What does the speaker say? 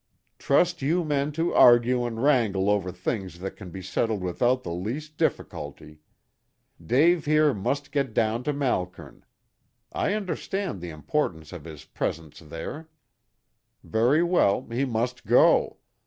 "Trust you men to argue and wrangle over things that can be settled without the least difficulty. Dave here must get down to Malkern. I understand the importance of his presence there. Very well, he must go.